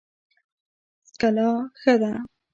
څکلا ښه ده.